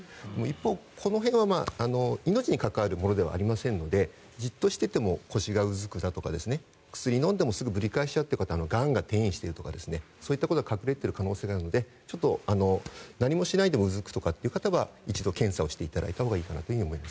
一方、この辺は命に関わるものではないのでじっとしていても腰がうずくだとか薬を飲んでもぶり返しちゃうという方はがんが転移しているとかそういったことが隠れている可能性があるので何もしなくてもうずくという人は一度検査をしてもらったほうがいいかと思います。